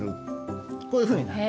こういうふうになります。